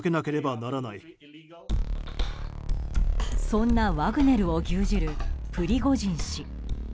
そんなワグネルを牛耳るプリゴジン氏。